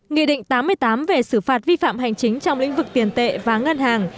nghị định tám mươi tám về xử phạt vi phạm hành chính trong lĩnh vực tiền tệ và ngân hàng